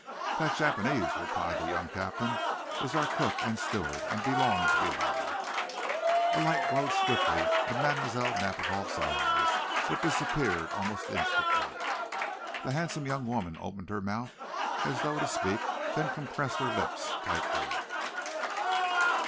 "The Japanese," replied the young captain, "is our cook and steward, and belongs below." A light glowed swiftly in Mlle. Nadiboff's eyes, but disappeared almost instantly. The handsome young woman opened her mouth as though to speak, then compressed her lips tightly.